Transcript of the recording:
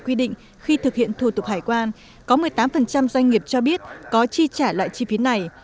quy định khi thực hiện thủ tục hải quan có một mươi tám doanh nghiệp cho biết có chi trả loại chi phí này